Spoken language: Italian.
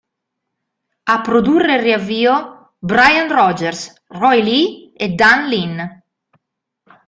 A produrre il riavvio: Brian Rogers, Roy Lee e Dan Lin.